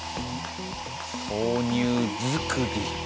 豆乳作り。